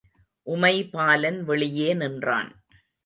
உமைபாலன் வெளியே நின்றான்.